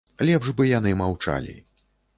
Лепш бы яны маўчалі.